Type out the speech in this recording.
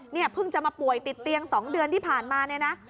เพิ่งจะมาป่วยติดเตียง๒เดือนที่ผ่านมาเนี่ยนะ